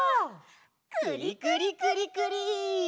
くりくりくりくり！